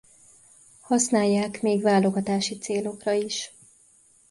Használják még válogatási célokra is.